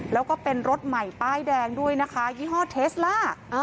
แล้วก็เป็นรถใหม่ป้ายแดงด้วยนะคะยี่ห้อเทสล่า